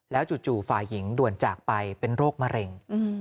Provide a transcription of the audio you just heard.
จู่ฝ่ายหญิงด่วนจากไปเป็นโรคมะเร็ง